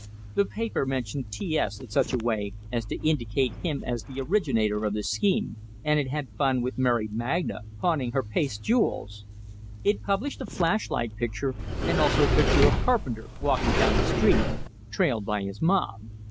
The paper mentioned T S in such a way as to indicate him as the originator of the scheme, and it had fun with Mary Magna, pawning her paste jewels. It published the flash light picture, and also a picture of Carpenter walking down the street, trailed by his mob.